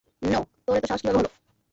তোর এতো সাহস কীভাবে হলো?